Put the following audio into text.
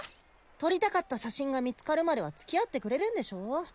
撮りたかった写真が見つかるまではつきあってくれるんでしょ？